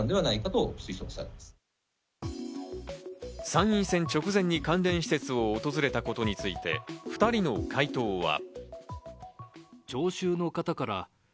参院選直前に関連施設を訪れたことについて、２人の回答は。